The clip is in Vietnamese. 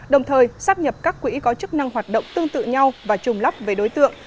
đồng thời xác nhập các quỹ có chức năng hoạt động tương tự nhau và trung lắp với đối tượng